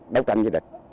đấu tranh với địch